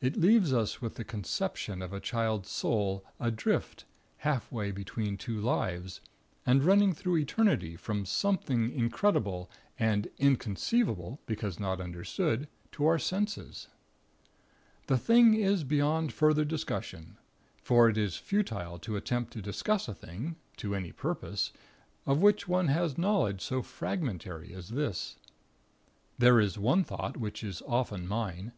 It leaves us with the conception of a child's soul adrift half way between two lives, and running through Eternity from Something incredible and inconceivable (because not understood) to our senses. "The thing is beyond further discussion; for it is futile to attempt to discuss a thing, to any purpose, of which one has a knowledge so fragmentary as this. There is one thought, which is often mine.